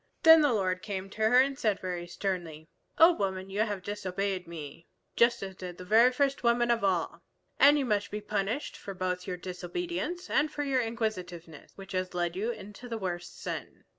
Then the Lord came to her and said very sternly, "O Woman, you have disobeyed me, just as did the very first woman of all. And you must be punished both for your disobedience and for your inquisitiveness which has led you into the worse sin.